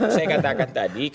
saya katakan tadi